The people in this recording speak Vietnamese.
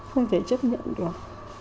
không thể chấp nhận được